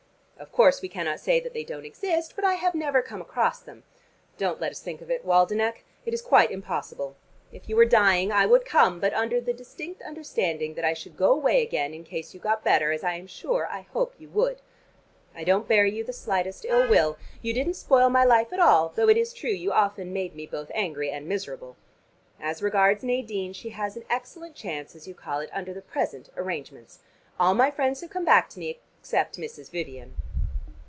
Of course we cannot say that they don't exist, but I have never come across them. Don't let us think of it, Waldenech: it is quite impossible. If you were dying, I would come, but under the distinct understanding that I should go away again, in case you got better, as I am sure I hope you would. I don't bear you the slightest ill will. You didn't spoil my life at all, though it is true you often made me both angry and miserable. As regards Nadine, she has an excellent chance, as you call it, under the present arrangements. All my friends have come back to me, except Mrs. Vivian."